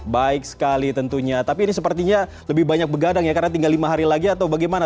baik sekali tentunya tapi ini sepertinya lebih banyak begadang ya karena tinggal lima hari lagi atau bagaimana